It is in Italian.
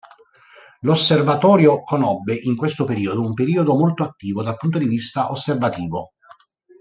L'osservatorio conobbe in questo periodo un periodo molto attivo dal punto di vista osservativo.